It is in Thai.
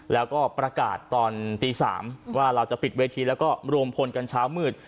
แล้วก็ประกาศตอนตี๓ว่าเราจะปิดเวทีแล้วก็รวมพลกันเช้ามืด